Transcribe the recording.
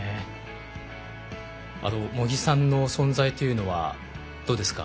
茂木さんの存在というのはどうですか？